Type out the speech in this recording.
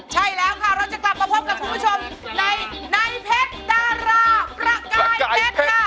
ใช่แล้วค่ะเราจะกลับมาพบกับคุณผู้ชมในเพชรดาราประกายเพชรค่ะ